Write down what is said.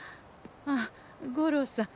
あっ五郎さん